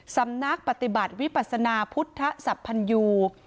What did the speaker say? สำนักปฏิบัติวิปัสนาพุทธศัพพันยู